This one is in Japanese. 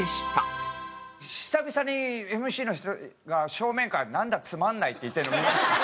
久々にＭＣの人が正面から「何だつまんない」って言ってるのを見ました。